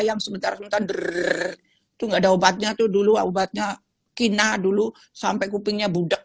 yang sementara sementara itu enggak ada obatnya tuh dulu obatnya kina dulu sampai kupingnya budak